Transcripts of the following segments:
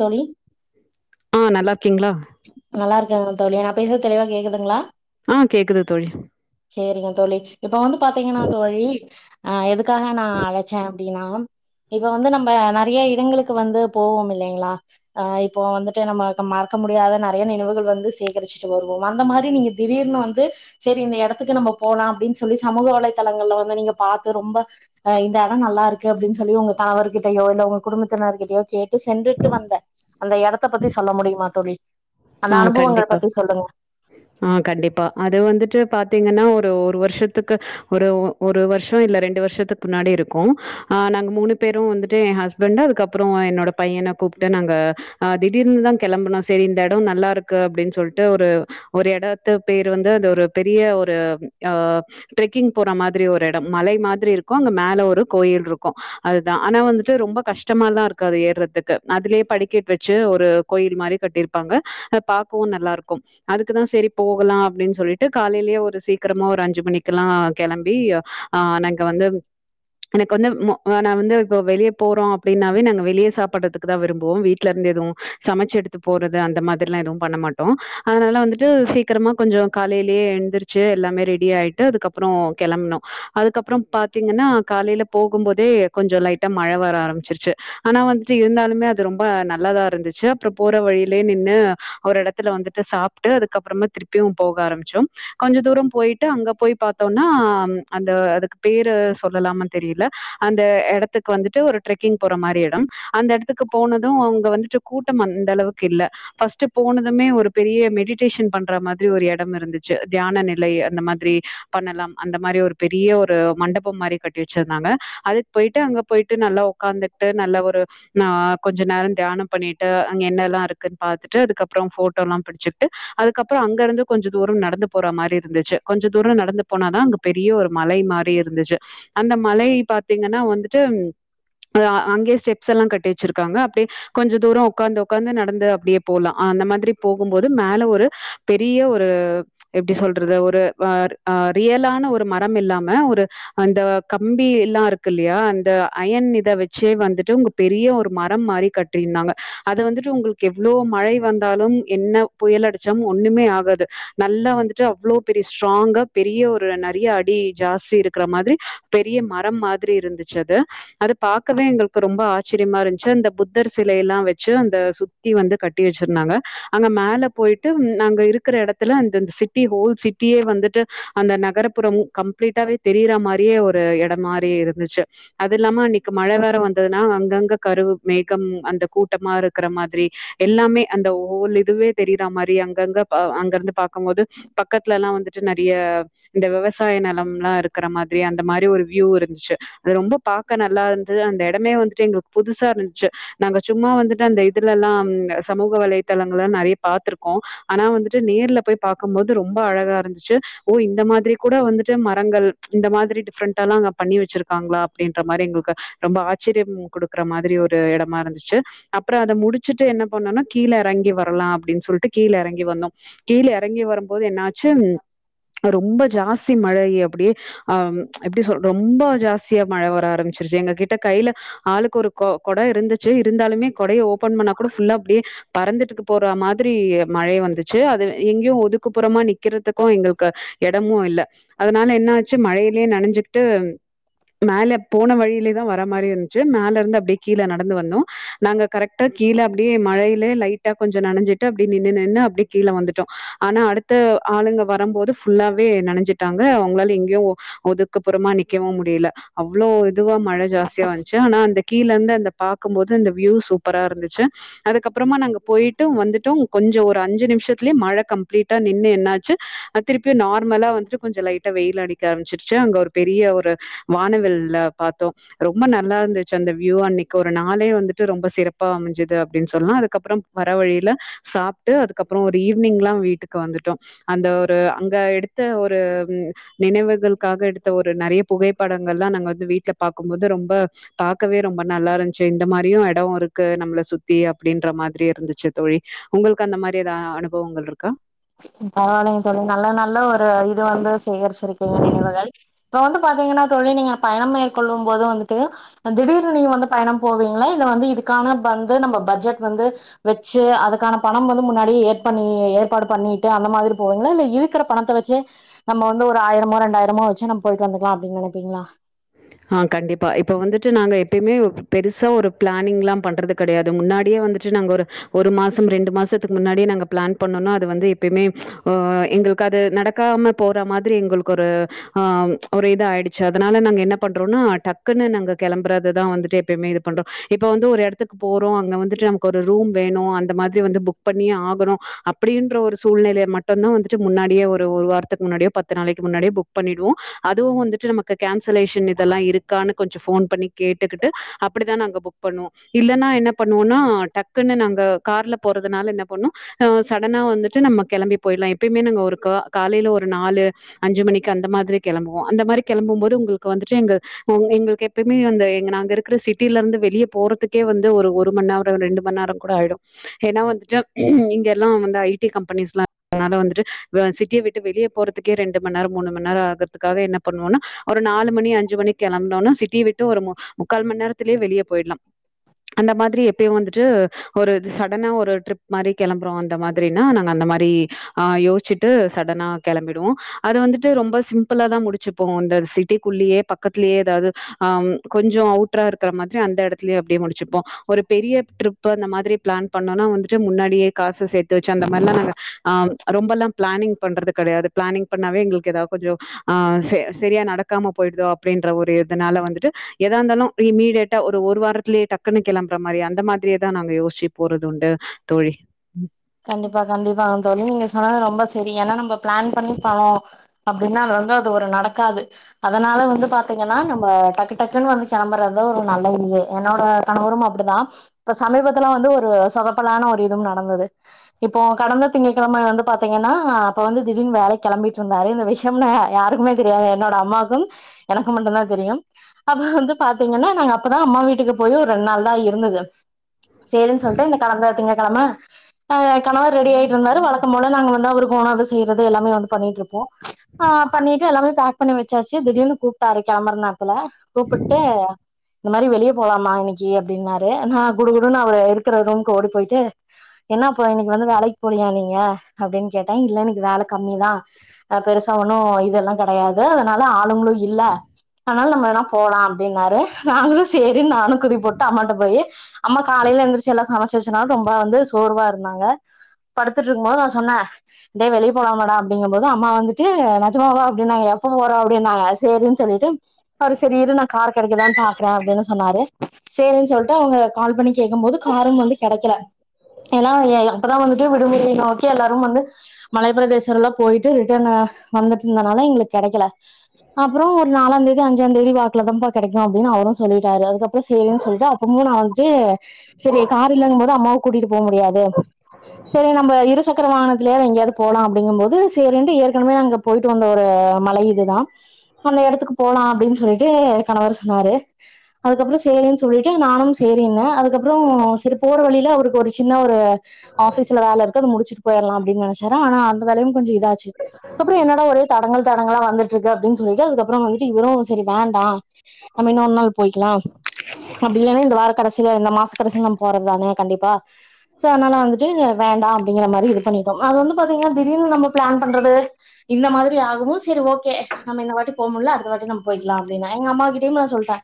தோழி ஆ நல்லார்க்கீங்ளா நல்லாரரக்கங்க தோழி நா பேசற்து தெளிவா கேக்குதுங்ளா ஆ கேக்குது தோழி சேரிங்க தோழி இப்ப வந்து பாத்தீங்கன்னா தோழி அஹ் எதுக்காக நான் அழச்சேன் அப்டின்னா இப்ப வந்து நம்ம நெறைய இடங்களுக்கு வந்து போவோம் இல்லைங்களா ஆ இப்போ வந்துட்டு நம்ம மறக்க முடியாத ந நினைவுகள் வந்து சேகரிச்சுட்டு வருவோம் வந்த மாரி நீங்க திடீர்னு வந்து சேரி இந்த இடத்துக்கு நம்ம போலாம் அப்டின்னு சொல்லி சமூக வலைதளங்கள்ல வந்து நீங்க பாத்து ரொம்ப அ இந்த இடம் நல்லா இருக்கு அப்டின்னு சொல்லி உங்க கணவர் கிட்டயோ இல்ல உங்க குடும்பத்தினர் கிட்டயோ கேட்டு சென்றுட்டு வந்த அந்த எடத்த பத்தி சொல்ல முடியுமா தோழி அந்த ஆ அனுபவங்கள் கண்டிப்பா பத்தி சொல்லுங்க ஆ கண்டிப்பா அது வந்துட்டு பாத்தீங்கன்னா ஒரு ஒரு வருஷத்துக்கு ஒரு ஒரு வருஷம் இல்ல ரெண்டு வருஷத்துக்கு முன்னாடி இருக்கும் ஆ நாங்க மூணு பேரும் வந்துட்டு என் ஹஸ் பண்ட்டு அதுக்கப்பறொ என்னோட பையன கூப்ட்டு நாங்க அ திடீர்னு தா கெளம்புன சரி இந்த டும் நல்லாருக்கு அப்டின்னு சொல்ட்டு ஒரு ஒரு எடத்து பேர் வந்து அந்த ஒரு பெரிய ஒரு ஆ ட்ரெக்கிங் போற மாதிரி ஒரு எட மலை மாரி இருக்கூ அங்க மேல ஒரு கோயில்ருக்கு அதுதா ஆனா வந்துட்டு ரொம்ப கஷ்டமல்லா இருக்காது ஏற்றதுக்கு அதுலே படிக்கெட் வச்சு ஒரு கோயில் மாரி கட்டிர்ப் பாங்க அது பாக்கவு நல்லாருக்கும் அதுக்குதா சரி போகலா அப்டின்னு சொல்ட்டு காலையிலயே ஒரு சீக்கிரமா அஞ்சு மணிக்கெல்லாம் கெளம்பி அ நாங்க வந்து எனக்கு வந்து நா மோ வந்து இப்போ வெளிய போறோ அப்டின்னாவே நாங்க வெளிய சாப்றதுக்குதா விரும்புவோ வீட்லருந்து எதுவு சமச்சு எடுத்துபோறது து அந்த மாதிர்ல்லா எதுவு பண்ணமாட்டோ அதனால வந்துட்டு சீக்கரமா கொஞ்சொ காலையிலே எந்திரி ச்சு எல்லாமே ரெடி ஆய்ட்டு அதுக்கப்பறொ கிளம்பனொ அதுக்கப்பற பாத்தீங்கன்னா காலைல போகும்போதே கொஞ்சொ லைட்டா மழ வர ஆரம்ச்சிருச்சு ஆனா வந்துட்டு இருந்தாலுமே அது ரொம்ப நல்லாதா இருந்துச்சு அப்பற போற வழி லே நின்னு ஒரு எடத்துல வந்துட்டு சாப்ட்டு அதுக்கப்பறமா திருப்பியு போக ஆரம்மிச்சம் கொஞ்ச தூரம் பொய்ட்டு அங்க போய் பாத்தோன்னா அந்த அதுக்கு பேரு சொல்லலாம தெரியில அந்த எடத்துக்குக் வந்துட்டு ஒரு ட்ரெக்கிங் போற மாரி எடம் அந்த எடத்துக்கு போனது அங்க வந்துட்டு கூட்டம் அந்த அளவுக் கு ஃபர்ஸ்ட் போனதுமே ஒரு பெரிய மெடிடேஷன் பண்ற மாரி ஒரு எடம் இருந்துச்சு தியான நிலை அந்த மாதிரி பண்ணலா அந்த மாரி ஒரு பெரிய ஒரு மண்டபம் மாரி கட்டி வச்சிர்ந்தாங்க அதுக் போய்ட்டு அங்க பொய்ட்டு நல்ல உக்காந்துட்டு நல்ல ஒரு ஆ கொஞ்சநேர தியானம் பண்ணிட்டு அங்க என்னெல்லா இருக் குன் பாத்துட்டு அதுக்கப்பற ஃபோட்டோல்லா பிடிச்சிக்ட்டு அதுக்கப்பற அங்கருந்து கொஞ்சொதூரொ நடந்து போற மாரி இருந்துச்சு கொஞ்சொ தூரம் நடந்து போனாதா பெரிய ஒரு மலை மாரி இருந்துச்சு அந்த மலை பாத்தீங்கன்னா வந்துட்டு அங்கே ஸ்டெப்ஸ்ஸெல்லா கட்டி வச்சிருக்காங்க அப்டே கொஞ்ச தூரொ உக்காந்து உக்காந்து நடந் து அப்டே போலா அந்த மாதிரி போகும்போது மேல ஒரு பெரிய ஒரு எப்டி சொல்றது ஒரு ஆர் ஆ ரியலான ஒரு மரம் இல்லாம ஒரு அந்த கம்பி எல்லா இருக்குல்லியா அந்த அயன் இத வச்சி வந்துட்டு உங்கப் பெரிய ஒரு மரம்மாரி கட்டிர்ந்தாங்க அத வந்துட்டு உங்களுக்கு எவ்ளோ மழை வந்தாலும் என்ன புயல் அடிச்சாம் ஒன்னுமே ஆகாது நல்லா வந்துட்டு அவ்ளோ பெரிய ஸ்ட்ராங்கா பெரிய ஒரு நறைய அடி ஜாஸி இருக்குறமாரி பெரிய மரம் மாதிரி இருந்துச்சு அது அது பாக்கவே எங்களுக்கு ரொம்ப ஆச்சிரியமா இருந்துச்சு அந்த புத்தர் சிலைய்ல்லா வெச்சு அந்த த்தி வந்து கட்டி வெச்சிருந்தாங்க அங்க மேல போயிட்டு அங்க இருக்கிற இடத்துல இந்த சிட்டி ஹோல் சிட்டியே வந்துட்டு அந்த நகரப்புறம் கம்ப்ளீட்டாவே தெரியிற மாரியே ஒரு இடம் மாரி இருந்துச்சு அது இல்லாம அன்னைக்கு மழை வேற வந்ததுன்னா அங்கங்க கருவு மேகம் அந்த கூட்டமா இருக்கிற மாதிரி எல்லாமே அந்த ஹோல் இதுவே தெரியிற மாரி அங்கங்க அங்க இருந்து பாக்கும்போது பக்கத்துல இப்பல்லா வந்துட்டு நறைய இந்த விவசாய நலம்ல்லா இருக்கிற மாதிரி அந்த மாரி ஒரு வியூ இருந்துச்சு அது ரொம்ப பாக்க நல்லாருந்தது அந்த எடமே வந்துட்டு எங்ளுக்கு புதுசா இருந்த்ச்சு நாங்க சும்மா வந்துட்டு அந்த இதுலலெல்லாம் சமூக வலைத்தளங்கள்ல்லா நறைய பாத்துருக்கோ ஆனா வந்துட்டு நேர்ல போய் பாக்கும்போது ரொம்ப அழகா இருந்துச்சு ஓ இந்த மாதிரி கூட வந்துட்டு மரங்கள் இந்த மாதிரி டிஃப்ரெண்ட்டால்லா அங்க பண்ணி வச்சிருக்காங்களா அப்டின்ற மாரி எங்ளுக்கு ரொம்ப ஆச்சரிய குடுக்குற மாதிரி ஒரு எடமா இருந்ச்சு அப்பற அத முடி வச்சுட்டு என்ன பண்ணோனா கீழே இறங்கி வரலா அப்டின்னு சொல்லிட்டு கீழ இறங்கி வந்தோ கீழ இறங்கி வரும்போது என்னாச்சு ரொம்ப ஜாஸ்தி மழை அப்டியே ஆம் எப்டி சொல்ற ரொம்ப ஜாஸ்தியா மழை வர ஆரம்பிச்சிருச்சு எங்க கிட்ட கையில ஆளுக்கு ஒரு கொ கொடை இருந்துச்சு இருந்தாலுமே கொடையை ஓப்பன் பண்ண கூட ஃபுல்லா அப்டியே பறந்துட்டுக்கு போற மாதிரி மழை வந்துச்சு அது எங்கேயு ஒதுக்குப்புறமா நிக்கறதுக்கு எங்களுக்கு இடமு இல்ல அதனால என்ன ஆச்சு மழையிலே நனைஞ்சுகிட்டு மேல போன வழியிலயே தா வர மாரி இருந்துச்சு மேல இருந்து அப்டியே கீழே நடந்து வந்தோ நாங்க கரெக்ட்டா கீழ அப்படியே மழையிலே லைட்டா கொஞ்ச நனைஞ்சிட்டு அப்டி நின்னு நின்னு அப்டியே கீழ வந்துட்டோ ஆனா அடுத்த ஆளுங்க வரம்போது ஃபுல்லாவே நினைஞ்சுட்டாங்க அவுங்களால எங்கேயு ஒதுக்குப்புறமா நிக்கவு முடியல அவ்ளோ இதுவா மழை ஜாஸ்தியா வந்துச்சு ஆனா அந்த கீழந்து அந்த பாக்கும் போது இந்த வியூ சூப்பரா இருந்து ச்சு அதுக்கப்புறமா நாங்க போயிட்டு வந்துட்டோ கொஞ்ச ஒரு அஞ்சு நிமிஷத்துலயே மழை கம்ப்ளீட்டா நின்னு என்னாச்சு திருப்பி நார்மலா வந்துட்டு கொஞ்ச லைட்டா வெயில் அடிக்க ஆரம்பச்சிருச்சு அங்க ஒரு பெரிய ஒரு வானவில்ல பாத்தோ ரொம்ப நல்லா இருந்துச்சு அந்த வியூ அன்னைக்கு ஒரு நாளே வந்துட்டு ரொம்ப சிறப்பா அமை அப்டின்னு சொல்லா அதுக்கப்புறம் வர வழியில சாப்ட்டு அதுக்கப்புற ஒரு ஈவ்னிங்ல்லா வீட்டுக்கு வந்துட்டோ அந்த ஒரு அங்க எடுத்த ஒரு நினைவுகளுக்காக எடுத்த ஒரு நறைய புகைப்படங்கள்லா நாங்க வந்து வீட்ல பாக்கும்போது ரொம்ப பாக்கவே ரொம்ப நல்லா இருந்துச்சு இந்த மாரியு எடோ இரு க்கு நம்மள சுத்தி அப்டின்ற மாதிரி இருந்துச்சு தோழி உங்களுக்கு அந்த மாரி ஏதா அனுபவங்கள் இருக்கா பரவாயில்லைங்க தோழி நல்ல நல்ல ஒரு இது வந்து சேகரிச்சிருக்கீங்க நினைவுகள் இப்ப வந்து பாத்தீங்கன்னாதோழி நீங்க பயணம் மேற்கொள்ளும் போது வந்துட்டு திடீர்னு நீங்க வந்து பயணம் போவீங்களா இல்ல வந்து இதுக்கான வந்து நம்ம பட்ஜெட் வந்து வெச்சு அதுக்கான பணம் வந்து முன்னாடியே ஏற்பண்ணி ஏ ற்பாடு பண்ணிட்டு அந்த மாதிரி போவீங்களா இல்ல இருக்கிற பணத்தை வெச்சே நம்ம வந்து ஒரு ஆயிரமோ ரெண்டாயிரமோ வெச்சு நம்ம போயிட்டு வந்துக்கலா அப்டின் நெனப்பீங்களா ஆ கண்டிப்பா இப்போ வந்துட்டு நாங்க எப்பயுமே பெருசா ஒரு பிளானிங்லா பண்றது கடையாது முன்னாடியே வந்துட்டு நாங்க ஒரு ஒரு மாசம் ரெண்டு மாசத்துக்கு முன்னாடியே நாங்க பிளான் பண்ணோனா அது வந்து எப்பயுமே ஆ எங்களுக்கு அது நடக்காம போற மாதிரி எங்களுக்கு ஒரு ஆ ஒரு இதாயிடுச்சு அதனால நாங்க என்ன பண்றோனா டக்குன்னு நாங்க கிளம்புறததா வந்துட்டு எப்பயுமே இது பண்றோ இப்ப வந்து ஒரு இடத்துக்கு போறோ அங்க வந்துட்டு நமக்கு ஒரு ரூம் வேணு அந்த மாதிரி வந்து புக் பண்ணியே ஆகணு அப்படின்ற ஒரு சூழ்நிலையை மட்டுந்தா வந்துட்டு முன்னாடியே ஒரு ஒரு வாரத்துக்கு முன்னாடியோ பத்து நாளைக்கு முன்னாடியோ புக் பண்ணிடுவோ அதுவு வந்துட்டு நமக்கு கேன்சலேஷன் இதெல்லா இருக்கான்னு கொஞ்ச ஃபோன் பண்ணி கேட்டுகிட்டு அப்படிதா நாங்க புக் பண்ணுவோ இல்லன்னா என்ன பண்ணுவோனா டக்குன்னு நாங்க கார்ல போறதுனால என்ன பண்ணோ ஆஹ் சடனா வந்துட்டு நம்ம கெளம்பி போயிடலாம் எப்பயுமே நாங்க ஒரு கா காலையில ஒரு நாலு அஞ்சு மணிக்கு அந்த மாதிரி கெளம்புவோ அந்த மாரி கெளம்பும் போது உங்களுக்கு வந்துட்டு எங்க உ எங்களுக்கு எப்பயுமே வந்து நாங்க இருக்கிற சிட்டில இருந்து வெளியே போறதுக்கே வந்து ஒரு ஒரு மணி நேரம் ரெண்டு மணி நேரம் கூட ஆயிடும் ஏன்னா வந்துட்டு இங்க எல்லாம் வந்து ஐடி கம்பெனிஸ் எல்லாம் இருக்கனால வந்துட்டு சிட்டிய விட் டு வெளிய போறதுக்கே ரெண்டு மண் நேரோ மூணு மண் நேரோம் ஆகறதுக்காக என்ன பண்ணுவோன்ன ஒரு நாலு மணி அஞ்சு மணி கிளம்புனோனா சிட்டி விட்டு ஒரு முக்கால் மண்நேர இதுலயே வெளிய போயிடலாம் அந்த மாதிரி எப்பயும் வந்துட்டு ஒரு இ சடனா ஒரு ட்ரிப் மாரி கிளம்புறோம் அந்த மாதிரினா நாங்க அந்த மாரி ஆ யோச்சிட்டு சடனா கிளம்பிடுவோம் அது வந்துட்டு ரொம்ப சிம்பிளா தான் முடிச்சுப்போம் இந்த ஃபி டிக்குள்ளேயே பக்கத்தலேயே ஏதாவது ஆஹ் கொஞ்சம் அவுட்டரா இருக்கிற மாதிரி அந்த இடத்துலயே அப்படியே முடிச்சுப்போம் ஒரு பெரிய ட்ரிப் அந்த மாதிரி பிளான் பண்ணோம்னா வந்துட்டு முன்னாடியே காசு சேத்து வச்சு அந்த மாரிலாம் நாங்க ஆஹ் ரொம்பல்லாம் பிளானிங் பண்றது கிடையாது பிளானிங் பண்ணாவே எங்களுக்கு ஏதா கொஞ்சம் ஆஹ் செ சரியா நடக்காம போயிடுதோ அப்படின்ற ஒரு இதுனால வந்துட்டு எதா இருந்தாலும் இமீடியட்டா ஒரு வாரத்லேயே டக் குன்னு கிளம்புற மாரி அந்த மாதிரியே தான் நாங்க யோசிச்சு போறது உண்டு தோழி கண்டிப்பா கண்டிப்பா அ தோழி நீங்க சொன்னது ரொம்ப சரி ஏன்னா நம்ம பிளான் பண்ணி பணோம் அப்படின்னா அது வந்து ஒரு நடக்காது அதனால வந்து பாத்தீங்கன்னா நம்ம டக்கு டக்குன்னு வந்து கிளம்பறதா ஒரு நல்ல இது என்னோட கணவரும் அப்படிதான் இப்ப சமீபத்துலாம் வந்து ஒரு சொதப்பலான ஒரு இதுவும் நடந்தது இப்போ கடந்த திங்கட்கிழமை வந்து பாத்தீங்கன்னா அப்ப வந்து திடீர்னு வேலைக்கு கெளம்பிட்டு இருந்தாரு இந்த விஷ் யம் யாருக்குமே தெரியாது என்னோட அம்மாக்கும் எனக்கும் மட்டும்தான் தெரியும் அதுவும் வந்து பாத்தீங்கன்னா நாங்க அப்பதான் அம்மா வீட்டுக்கு போய் ஒரு ரெண்டு நாள் தான் இருந்தது சேரின்னு சொல்ட்டு இந்த கடந்த திங்க கிழமை ஆஹ் கணவர் ரெடி ஆயிட்டு இருந்தாரு வழக்க போல நாங்க வந்து அவருக்கு உணவு செய்யறது எல்லாமே வந்து பண்ணிட்டு இருப்போம் ஆஹ் பண்ணிட்டு எல்லாமே பேக் பண்ணி வச்சாச்சுி திடீர்னு கூப்பிட்டாரு கெளம்பரநேரத் ல கூப்பிட்டு இந்த மாரி வெளிய போலாமா இன்னைக்கு அப்படின்னாரு நான் குடு குடுன்னனு அவர் இருக்கிற ரூம்க்கு ஓடி போயிட்டு என்ன அப்பறம் இன்னைக்கு வந்து வேலைக்கு போலியா நீங்க அப்படின்னு கேட்டேன் இல்ல இன்னைக்கு வேல கம்மிதான் அஹ் பெருசா ஒன்னும் இதெல்லாம் கிடையாது அதனால ஆளுங்களும் இல்ல ஆனால நம்ம எல்லா போலாம் அப்படின்னாரு நாங்களும் சரி நானும் குதிப்போட்டு அம்மாட்ட போயி அம்மா காலையில எழுந்திரிச்சு எல்லாம் சமைச்சு வச்சனால ரொம்ப வந்து சோர்வா இருந்தாங்க படுத்துட்டு இருக்கும்போது நான் சொன்னேன் டே வெளி போலாமாடா அப்படிங்கபோது அம்மா வந்துட்டு நஜமாவா அப்படினாங்க எப்போ போறோம் அப்படினாங்க சேரின்னு சொல்லிட்டு அவர் சரி இரு நான் கார் கெடைக்கதான்னு பாக்குறேன் அப்படின்னு சொன்னாரு சேரின்னு சொல்லிட்டு அவங்க கால் பண்ணி கேக்கும் போது காரும் வந்து கெடைக்கல எல்லா எப்பதான் வந்துட்டு விடுமுறைய நோக்கி எல்லாரும் வந்து மலைப்பிரதேசம் எலாம் போயிட்டு ரிட்டர்ன் வந்துட்டு இருந்தனால எங்களுக்கு கெடைக்கல அப்புறம் ஒரு நாலாம் தேதி அஞ்சாம் தேதி வாக்குல தான்ப்பா கெடைக்கும் அப்படின்னு அவரும் சொல்லிட்டாரு அதுக்கப் றம் சேரின்னு சொல்ட்டு அப்பமும் நான் வந்துட்டு சரி கார் இல்லங்கும் போது அம்மாவ கூட்டிட்டு போக முடியாது சரி நம்ம இரு சக்கர வாகனத்திலயாவது எங்கேயாவது போலாம் அப்படிங்கும் போது சேரிட்டு ஏற்கனவே நாங்க போயிட்டு வந்த ஒரு மலை இது தா அந்த எடத்துக்கு போலாம் அப்படின்னு சொல்லிட்டு என் கணவர் சொன்னாரு அதுக்கப்புறம் சேரின்னு சொல்லிட்டு நானும் சேரின்னேன் அதுக்கப்புறம் சரி போற வழியில அவரு ஒரு சின்ன ஒரு ஆபிஸ்ல வேல இருக்கு அத முடிச்சுட்டு போயிரலா அப்டின்னு நெனைச்சாேன் ஆனா அந்த வேலையும் கொஞ்ச இதாச்சு அப்புறம் என்னட ஒரே தடங்கள் தடங்கள்லா வந்துட்டு இருக்கு அப்டின் சொல்லிட்டு அதுக்கப்புறம் வந்துட்டு இவரும் செரி வேண்டா நம்ம இன்னொரு நாள் போய்கிக்கலா அப்டி இல்ன்னா இந்த வார கடைசியில இந்த மாச கடைசிய நம்ம போறதுதானே கண்டிப்பா சோ அதனால வந்துட்டு வேண்டா அப்டிங்கிற மாதிரி இது பண்ணிட்டோ அது வந்து பாத்தீங்கன்னா திடீர்னு நம்ம பிளான் பண்றது இந்த மாதிரி ஆகவு செரி ஓகே நம்ம இந்த வாட்டி போ முடியல அடுத்த வாட்டி நம்ம போயிக்கலா அப்டின்னா எங்க அம்மா கிட்டயையு நா சொல்ட்டே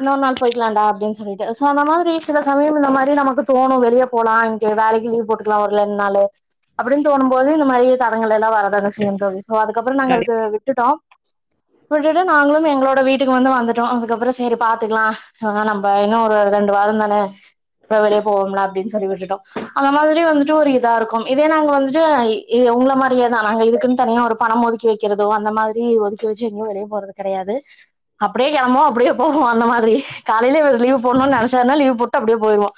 இன்னொரு நாள் போயிக்கலாம்டா அப்டின்னு சொல்லிட்டு சோ அந்த மாதிரி சில சமயம் இந்த மாதிரி நமக்கு தோணு வெ ளிய போலா இன்னிக்கி வேலைக்கி லீவ் போட்டுக்கலா ஒருலெண்டு நாளு அப்டின்னு தோணும்போது இந்த மாதிரி தடங்கள் எல்லா வரதான செய்யு தோழி சோ அதுக்கப்புறம் நாங்க கண்டிப் அத விட்டுட்டோ விட்டுட்டு நாங்களு எங்களோட வீட்டுக்கு வந்து வந்துட்டோ அதுக்கப்புற செரி பாத்துக்கலா ஆனா நம்ப இன்னு ஒரு ரெண்டு வாரந்தானே இப்புற வெளியே போவோம்லா அப்டின்னு சொல்லி விட்டுட்டோ அந்த மாதிரி வந்துட்டு ஒரு இதா இருக்கும் இதே நாங்க வந்துட்டு உங்கள மாரியே தான் நாங்க இதுக்குன்னு தனியா ஒரு பணம் ஒதுக்கி வைக் வக்கிறதோ அந்த மாறி ஒதுக்கி வச்சு எங்கேயு வெளிய போறது கிடையாது அப்டியே கெளம்போ அப்டியே போவோ அந்த மாதிரி காலையில லீவு போடணுனு நெனைச்சான்னா லீவு போட்டு அப்டியே போயிருவோ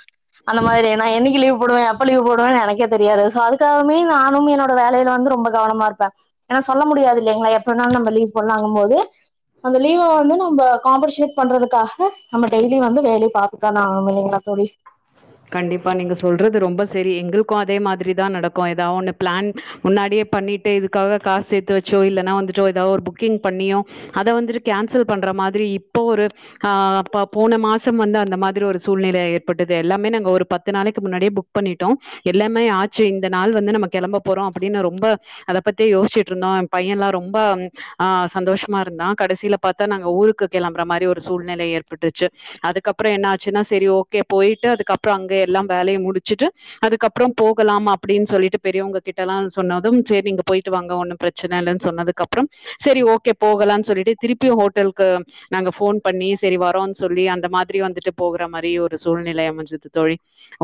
அந்த மாரி நா என்னைக்கி லீவு போடுவே எப்ப லீவ் போடுவேனு எனக்கே தெரியாது சோ அதுக்காகமே நானும் என்னோட வேலையில வந்து ரொம்ப கவனமா இருப்பே ஏன்னா சொல்ல முடியாது இல்லீங்களா எப்ப வேணா நம்ம லீவ் போலானுங்கும் போது அந்த லீவை வந்து நம்ம காம்படிஷன் பண்றதுக்காக நம்ம டெய்லி வந்து வேலயை பாத்து அத ஞாபமில்லீங்களா தோழி கண்டிப்பா நீங்க சொல்றது ரொம்ப செரி எங்களுக்கு அதே மாதிரிதா நடக்கு ஏதா ஒண்ணு பிளான் முன்னாடியே பண்ணிட்டு இதுக்காக காசு சேத்து வெச்சோ இல்லனா வந்துட்டோ ஏதாவது ஒரு புக்கிங் பண்ணியோ அத வந்துட்டு கேன்சல் பண்ற மாதிரி இப்போ ஒரு ஆ அப்ப போன மாசம் வந்து அந்த மாதிரி ஒரு சூழ்நிலை ஏற்பட்டதே எல்லாமே நாங்க ஒரு பத்து நாளைக்கு முன்னாடியே புக் பண்ணிட்டோ எல்லாமே ஆச்சு இந்த நாள் வந்து நம்ம கெளம்ப போறோ அப்டின்னு ரொம்ப அதை பத்தியே யோசிச்சுட்டு இருந்தோ எ பைய எல்லா ரொம்ப ஆ சந்தோஷமா இருந்தா கடைசியில பாத்தா நாங்க ஊருக்கு கிளம்புற மாரி ஒரு சூழ்நிலை ஏற்பட்டுருச்சு அதுக்கப்புற என்ன ஆச்சுன்னா செரி ஓகே போயிட்டு அதுக்கப்புற அங்க எல்லாம் வேலைய முடிச்சுட்டு அதுக்கப்புறம் போகலாம் அப்டின்னு சொல்லிட்டு பெரியவங்க கிட்ட எல்லா சொன்னதும் செரி நீங்க போயிட்டு வாங்க ஒன்னும் பிர ச்சனை இல்ன்னு சொன்னதுக்கு அப்புறம் செரி ஓகே போகலானு சொல்லிட்டு திருப்பியு ஹோட்டலுக்கு நாங்க ஃபோன் பண்ணி சரி வரோன்னனு சொல்லி அந்த மாதிரி வந்துட்டு போகற மாரி ஒரு சூழ்நிலைய அமைஞ்சது தோழி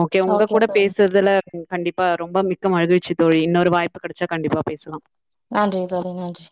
ஓகே உங்க கூட பேசுறதுல கண்டிப்பா ரொம்ப மிக்க மகிழ்ச்சி தோழி இன்னொரு வாய்ப்பு கிடைச்சா கண்டிப்பா பேசலா நன்றி தோழி நன்றி